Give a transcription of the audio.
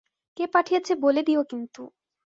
কে পাঠিয়েছে বলে দিও কিন্তু।